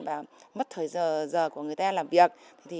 và mất thời giờ của người ta làm việc